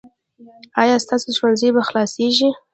ایا ستاسو ښوونځی به خلاصیږي؟